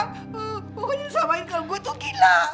pokoknya sama ingal gue tuh gila